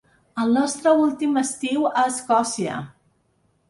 El nostre últim estiu a Escòcia.